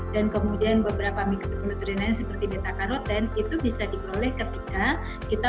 dan kemudian beberapa mikronutrien seperti betakaroten itu bisa diperoleh ketika kita